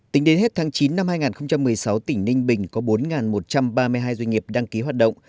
tính đến hết tháng chín năm hai nghìn một mươi sáu tỉnh ninh bình có bốn một trăm ba mươi hai doanh nghiệp đăng ký hoạt động